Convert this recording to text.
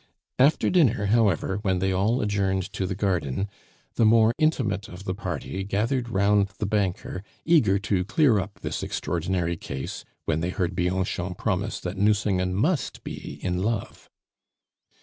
After dinner, however, when they all adjourned to the garden, the more intimate of the party gathered round the banker, eager to clear up this extraordinary case when they heard Bianchon pronounce that Nucingen must be in love.